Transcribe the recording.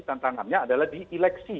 tantangannya adalah diileksi